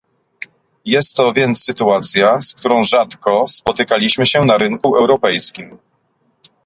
Jest to więc sytuacja, z którą rzadko spotykaliśmy się na rynku europejskim